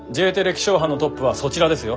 気象班のトップはそちらですよ